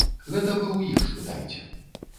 Гэта вы ў іх спытайце.